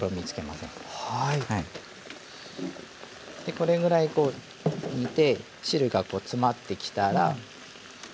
これぐらいこう煮て汁が詰まってきたらごま油を。